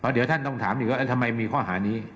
เดี๋ยวท่านต้องถามอีกว่าทำไมมีข้อหานี้